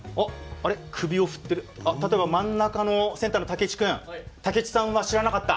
あっ例えば真ん中のセンターの武智君武智さんは知らなかった？